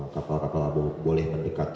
kapal kapal boleh mendekat ke gunung anak krakatoa